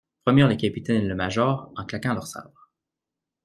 Promirent le capitaine et le major, en claquant leurs sabres.